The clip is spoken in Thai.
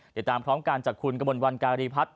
ติดตามพร้อมการจัดการคุณกมนต์วันการีพัฒน์